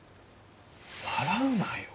笑うなよ。